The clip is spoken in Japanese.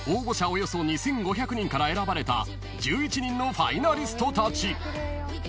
およそ２，５００人から選ばれた１１人のファイナリストたち］